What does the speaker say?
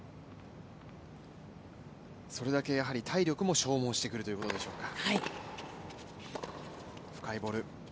それだけ体力も消耗してくるということでしょうか。